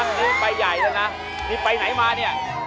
นี่ไปใหญ่แล้วนะนี่ไปไหนมานี่